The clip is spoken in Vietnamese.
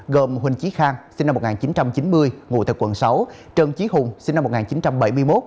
gồm huỳnh chí khang sinh năm một nghìn chín trăm chín mươi ngụ tại quận sáu trần trí hùng sinh năm một nghìn chín trăm bảy mươi một